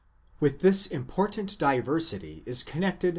With this important diversity is connected.